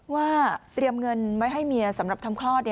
ว่าเตรียมเงินไว้ให้เมียสำหรับทำคลอด